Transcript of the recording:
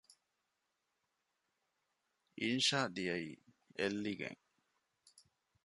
އިންޝާ ދިޔައީ އެއްލިގެން